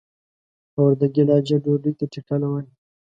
په وردګي لهجه ډوډۍ ته ټکله وايي.